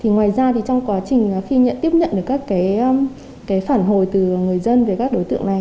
ngoài ra trong quá trình khi nhận tiếp nhận được các phản hồi từ người dân về các đối tượng này